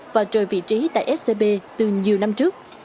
và trời vị trí tại scb từ nhiều năm trước